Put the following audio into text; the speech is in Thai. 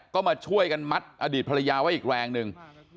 ก็มาช่วยกันมัดอดีตภรรยาไว้อีกแรงหนึ่ง